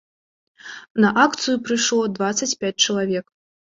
На акцыю прыйшло дваццаць пяць чалавек.